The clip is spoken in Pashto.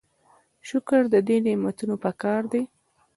شکر د دې نعمتونو پکار دی.